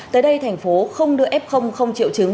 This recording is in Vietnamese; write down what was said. tới đây thành phố không đưa f không triệu chứng